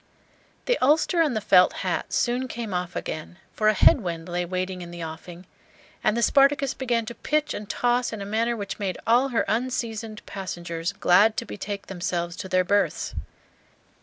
The ulster and the felt hat soon came off again, for a head wind lay waiting in the offing, and the "Spartacus" began to pitch and toss in a manner which made all her unseasoned passengers glad to betake themselves to their berths.